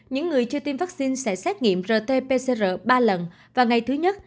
những người chưa tiêm vaccine sẽ xét nghiệm rt pcr ba lần và ngày thứ nhất